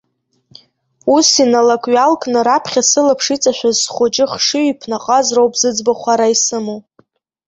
Ус, иналк-ҩалкны, раԥхьа сылаԥш иҵашәаз, схәыҷы хшыҩ иԥнаҟаз роуп зыӡбахә ара исымоу.